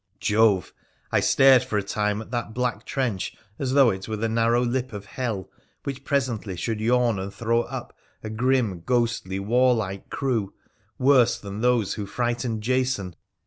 Jove ! I stared for a time at that black trench as though it were the narrow lip of hell, which presently should vawn and throw up a grim, ghostly, 334 WONDERFUL ADVENTURES OF warlike crew, worse than those who frightened Jason.